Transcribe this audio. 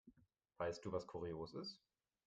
Weißt du, was kurios ist?